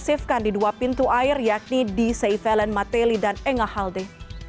pencarian di dua pintu air yakni di seivellen matelli dan engahalde